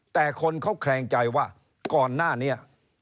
แต่คนเขาแคลงใจว่าก่อนหน้านี้